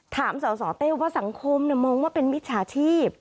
สสเต้ว่าสังคมมองว่าเป็นมิจฉาชีพ